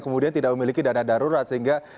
kemudian tidak memiliki dana darurat sehingga